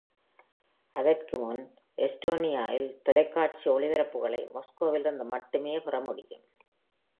அதற்கு முன், Estonia-வில் தொலைக்காட்சி ஒளிபரப்புகளை மாஸ்கோவிலிருந்து மட்டுமே பெற முடியும்.